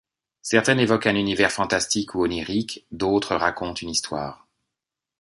Certaines évoquent un univers fantastique ou onirique, d’autres racontent une histoire.